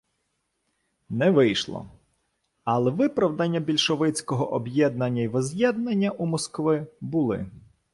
Не вийшло! Але виправдання більшовицького «об'єднання й возз'єднання» у Москви були